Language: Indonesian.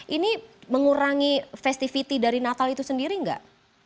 ini mengurangi festivity dari natal itu sendiri nggak